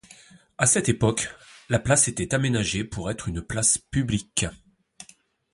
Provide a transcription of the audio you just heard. À cette époque, la place était aménagée pour être une place publique.